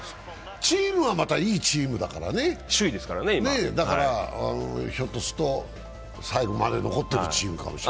チームはまたいいチームですからね、ひょっとすると、最後まで残ってるチームかもしれない。